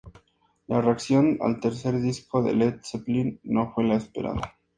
La reacción al tercer disco de Led Zeppelin no fue la esperada.